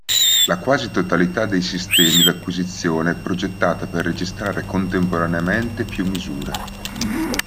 La quasi totalità dei sistemi d'acquisizione è progettata per registrare contemporaneamente più misure.